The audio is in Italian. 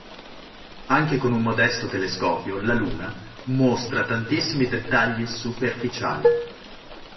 Anche con un modesto telescopio la Luna mostra tantissimi dettagli superficiali.